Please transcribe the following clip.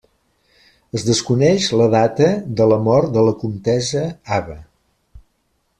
Es desconeix la data de la mort de la comtessa Ava.